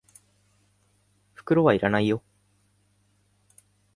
袋は要らないよ。